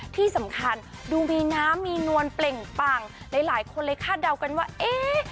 ที่สำคัญดูมีน้ำมีนวลเปล่งปังหลายหลายคนเลยคาดเดากันว่าเอ๊ะ